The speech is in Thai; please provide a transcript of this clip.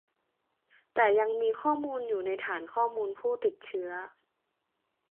แต่ยังมีข้อมูลอยู่ในฐานข้อมูลผู้ติดเชื้อ